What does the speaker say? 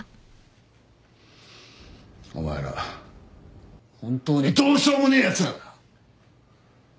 お前ら本当にどうしようもねえやつらだ！